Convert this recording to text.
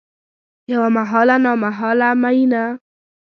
یوه محاله نامحاله میینه